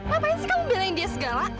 ngapain sih kamu bilangin dia segala